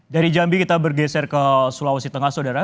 dari jambi kita bergeser ke sulawesi tengah saudara